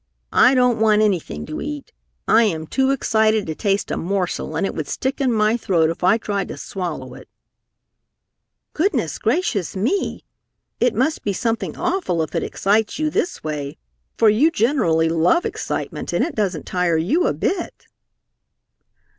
I don't want anything to eat. I am too excited to taste a morsel and it would stick in my throat if I tried to swallow it." "Gracious, goodness, me! It must be something awful if it excites you this way, for you generally love excitement and it doesn't tire you a bit."